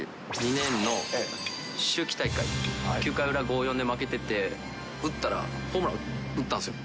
２年の秋季大会、９回裏５ー４で負けてて、打ったら、ホームラン、打ったんですよ。